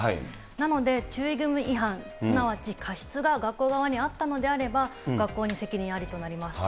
なので、注意義務違反、すなわち過失が学校側にあったのであれば学校に責任ありとなります。